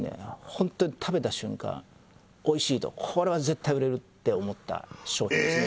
ホントに食べた瞬間おいしいとこれは絶対売れるって思った商品ですね